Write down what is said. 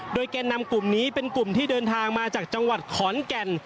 โดยแก่นำกลุ่มนี้เป็นกลุ่มที่เดินทางมาจากจังหวัดขอนแก่น